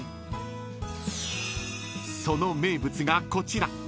［その名物がこちら］